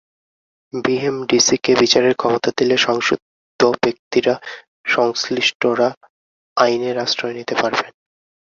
বিএমডিসিকে বিচারের ক্ষমতা দিলে সংক্ষুব্ধ ব্যক্তিরা সংশ্লিষ্টরা আইনের আশ্রয় নিতে পারবেন।